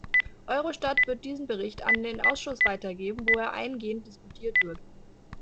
Eurostat wird diesen Bericht an den Ausschuss weitergeben, wo er eingehend diskutiert wird.